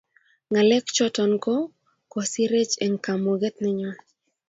ngalek choton ko kosirech eng' kamuget nenyon